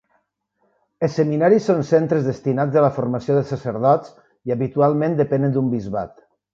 Els seminaris són centres destinats a la formació de sacerdots, i habitualment depenen d'un bisbat.